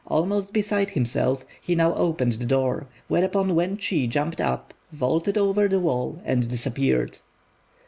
Almost beside himself, he now opened the door; whereupon Wên chi jumping up, vaulted over the wall and disappeared.